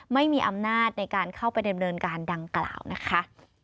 ไม่มีอำนาจในการเข้าไปดำเนินการดังกล่าวนะคะ